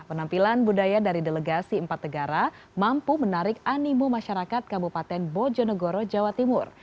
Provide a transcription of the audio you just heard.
penampilan budaya dari delegasi empat negara mampu menarik animo masyarakat kabupaten bojonegoro jawa timur